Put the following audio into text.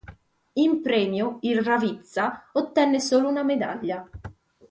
In premio il Ravizza ottenne solo una medaglia.